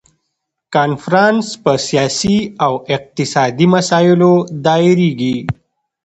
کنفرانس په سیاسي او اقتصادي مسایلو دایریږي.